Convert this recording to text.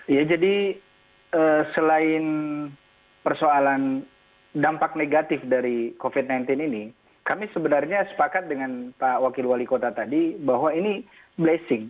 ya jadi selain persoalan dampak negatif dari covid sembilan belas ini kami sebenarnya sepakat dengan pak wakil wali kota tadi bahwa ini blessing